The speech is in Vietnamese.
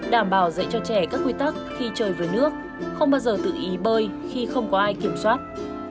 đảm bảo dạy cho trẻ các quy tắc khi trời về nước không bao giờ tự ý bơi khi không có ai kiểm soát